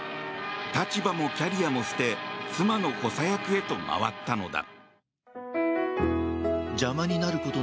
立場もキャリアも捨て妻の補佐役へと回ったのだ。